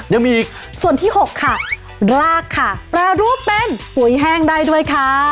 ยังมีอีกส่วนที่๖ค่ะลากค่ะแปรรูปเป็นปุ๋ยแห้งได้ด้วยค่ะ